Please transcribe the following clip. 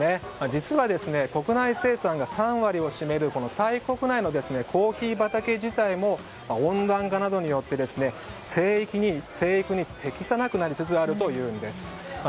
実は、国内生産が３割を占めるタイ国内のコーヒー畑自体も温暖化などによって生育に適さなくなりつつあるというんです。